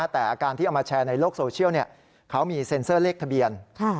แต่การที่เอามาแชร์ในโลกโซเชียลเขามีเซ็นเซอร์เลขทะเบียน